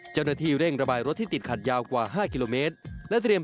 เจ้าหน้าที่เร่งระบายรถที่ติดขัดยาวกว่า๕กิโลเมตรและเตรียม